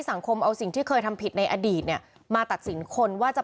สังคมเอาสิ่งที่เคยทำผิดในอดีตเนี่ยมาตัดสินคนว่าจะ